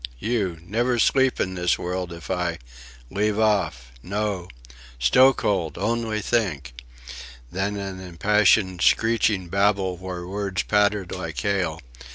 you... Never sleep in this world, if I..." "Leave off." "No!... stokehold... only think!..." Then an impassioned screeching babble where words pattered like hail.